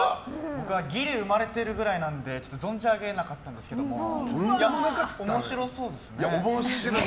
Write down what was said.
僕はギリ生まれてるくらいなので存じ上げなかったんですけども面白そうですね。